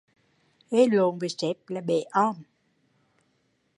Gây lộn với sếp là bể om